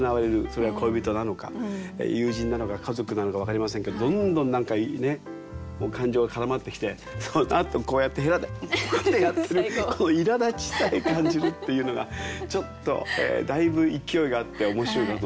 それは恋人なのか友人なのか家族なのか分かりませんけどどんどん何か感情が絡まってきてそのあとこうやってへらでこうやってやってるこのいらだちさえ感じるっていうのがちょっとだいぶ勢いがあって面白いなと思ってしまいました。